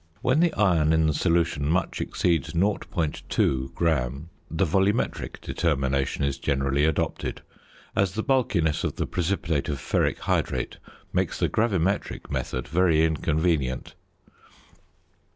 When the iron in the solution much exceeds 0.2 gram the volumetric determination is generally adopted, as the bulkiness of the precipitate of ferric hydrate makes the gravimetric method very inconvenient.